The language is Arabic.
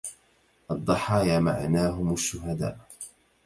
الضحايا معناهم الشهداء